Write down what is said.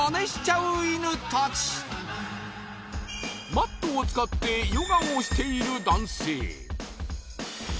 マットを使ってヨガをしている男性